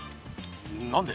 何で？